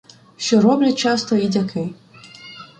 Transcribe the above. Що роблять часто і дяки.